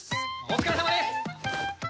お疲れさまです！